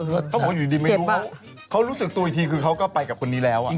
เขาบอกว่าอยู่ดีไม่รู้เขารู้สึกตัวอีกทีคือเขาก็ไปกับคนนี้แล้ว